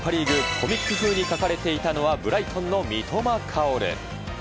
コミック風に描かれていたのはブライトンの三笘薫。